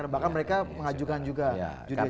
bahkan mereka mengajukan juga